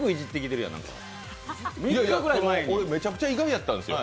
いやいや、俺、めちゃくちゃ意外やったんですよ。